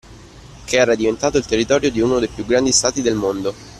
Che era diventato il territorio di uno dei più grandi stati del mondo.